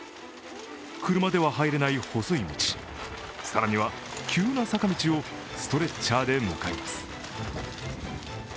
車では入れない細い道、更には急な坂道をストレッチャーで向かいます。